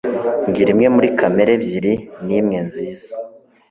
mbwira imwe muri kamera ebyiri nimwe nziza